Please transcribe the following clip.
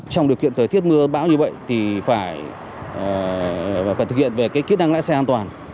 trong điều kiện thời tiết mưa bão như vậy thì phải thực hiện về kỹ năng lái xe an toàn